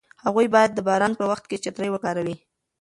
هغوی باید د باران په وخت کې چترۍ وکاروي.